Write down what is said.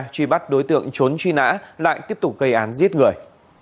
truy bắt đối tượng trốn truy nã lại tiếp tục gây án giết người